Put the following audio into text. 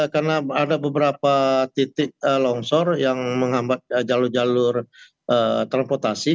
karena ada beberapa titik longsor yang menghambat jalur jalur transportasi